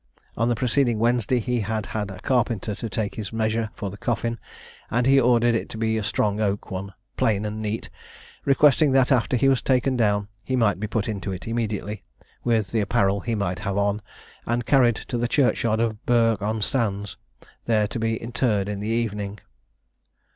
On the preceding Wednesday he had had a carpenter to take his measure for his coffin, and he ordered it to be a strong oak one, plain and neat, requesting that, after he was taken down, he might be put into it immediately, with the apparel he might have on, and carried to the churchyard of Burgh on Sands, there to be interred in the evening.